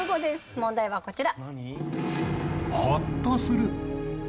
問題はこちら。